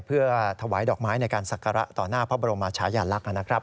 เพื่อถวายดอกไม้ในการศักระต่อหน้าพระบรมชายาลักษณ์นะครับ